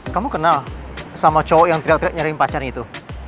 kamu kenal sama cowok yang teriak teriak nyari pacaran itu